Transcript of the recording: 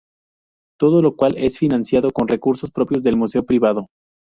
Todo lo cual es financiado con recursos propios del museo privado.